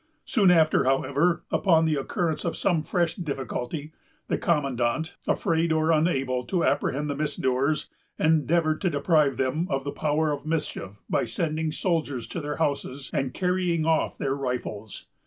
Soon after, however, upon the occurrence of some fresh difficulty, the commandant, afraid or unable to apprehend the misdoers, endeavored to deprive them of the power of mischief by sending soldiers to their houses and carrying off their rifles.